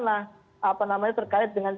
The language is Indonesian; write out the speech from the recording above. nah apa namanya terkait dengan